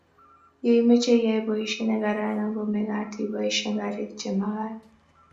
ye imeche iyai boisie ne kararan ko mekat iboisien karik che mekat